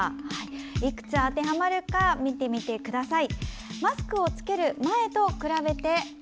いくつ当てはまるか見てみてください。